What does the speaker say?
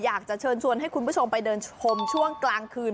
อยากจะเชิญชวนให้คุณผู้ชมไปเดินชมช่วงกลางคืน